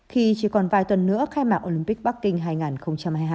khi chỉ còn vài tuần nữa khai mạc olympic bắc kinh hai nghìn hai mươi hai